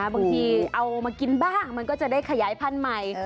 บางทีเอามากินบ้างมันก็จะได้ขยายพันธุ์ใหม่